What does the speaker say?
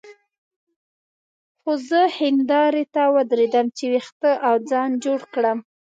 هو زه هندارې ته ودرېدم چې وېښته او ځان جوړ کړم.